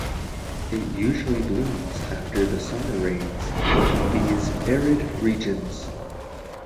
It usually blooms after the summer rains in these arid regions.